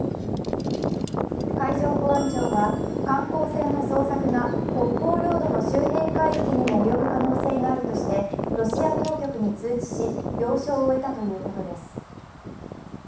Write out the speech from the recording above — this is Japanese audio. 海上保安庁は観光船の捜索が北方領土の周辺海域にも及ぶ可能性があるとしてロシア当局に通知し了承を得たということです。